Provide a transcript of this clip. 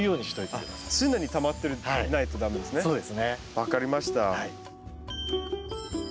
分かりました。